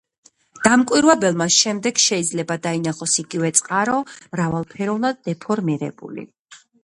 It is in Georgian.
დამკვირვებელმა შემდეგ შეიძლება დაინახოს იგივე წყარო მრავალფეროვნად დეფორმირებული.